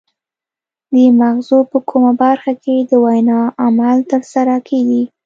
د مغزو په کومه برخه کې د وینا عمل ترسره کیږي